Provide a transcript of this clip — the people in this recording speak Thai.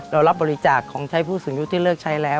เรารับบริจาคของใช้ผู้สูงอายุที่เลิกใช้แล้ว